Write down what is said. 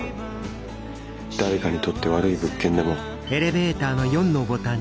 誰かにとって悪い物件でも。